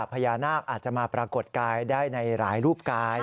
พญานาคอาจจะมาปรากฏกายได้ในหลายรูปกาย